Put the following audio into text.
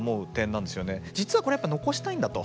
実はこれやっぱり残したいんだと。